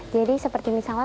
jadi seperti misalnya